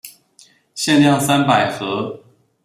限量三百盒